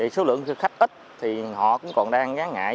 số lượng khách ít họ cũng còn đang ngã ngại